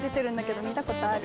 何か見たことある。